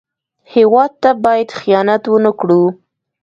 هېواد ته باید خیانت ونه کړو